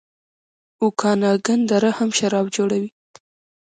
اوکاناګن دره هم شراب جوړوي.